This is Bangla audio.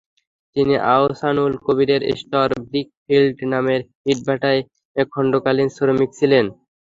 তিনি আহসানুল কবীরের স্টার ব্রিক ফিল্ড নামের ইটভাটায় খণ্ডকালীন শ্রমিক ছিলেন।